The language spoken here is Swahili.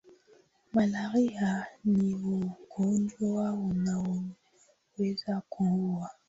Malaria ni ugonjwa unaoweza kuua